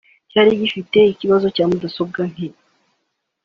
ryari rifite ikibazo cya mudasobwa nke